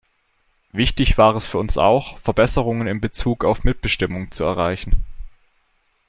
Wichtig war es für uns auch, Verbesserungen in Bezug auf Mitbestimmung zu erreichen.